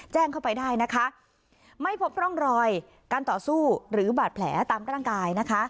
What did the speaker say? แจ้งเข้าไปได้นะคะไม่พบร่องรอยการต่อสู้หรือบาดแผลตามร่างกายนะคะ